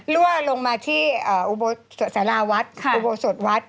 รั่วลงมาที่อุโบสถวัด